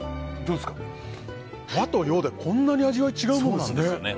和と洋でこんな味わい違うもんなんですね。